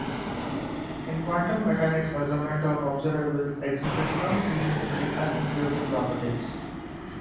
In quantum mechanics, measurement of observables exhibits some seemingly unintuitive properties.